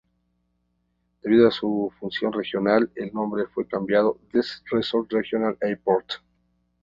Debido a su función regional, el nombre fue cambiado Desert Resorts Regional Airport.